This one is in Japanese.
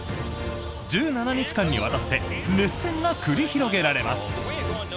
１７日間にわたって熱戦が繰り広げられます。